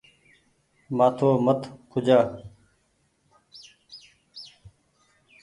مآٿو مت کوجآ۔